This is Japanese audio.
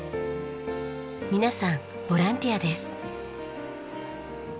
皆さんボランティアです。